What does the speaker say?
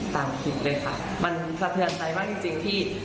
ตามทิพย์เลยค่ะจะเผื่อใจให้บ้างจริงพี่